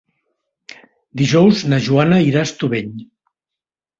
Dijous na Joana irà a Estubeny.